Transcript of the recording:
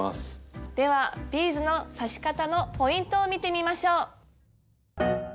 ではビーズの刺し方のポイントを見てみましょう。